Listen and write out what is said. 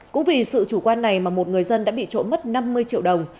cũng vì sự chủ quan này mà một người dân đã bị trộm mất năm mươi triệu đồng